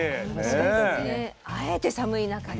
あえて寒い中で。